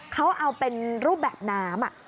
เขาเอาเป็นรูปแบบน้ำ